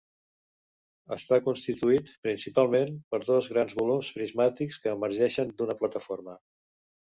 Està constituït, principalment, per dos grans volums prismàtics que emergeixen d'una plataforma.